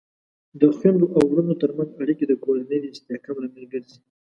د خویندو او ورونو ترمنځ اړیکې د کورنۍ د استحکام لامل ګرځي.